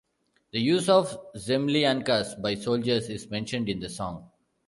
The use of zemlyankas by soldiers is mentioned in the song.